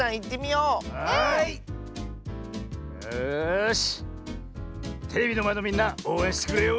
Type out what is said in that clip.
よしテレビのまえのみんなおうえんしてくれよ。